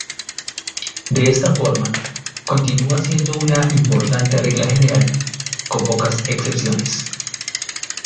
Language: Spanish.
De esta forma, continúa siendo una importante regla general, con pocas excepciones.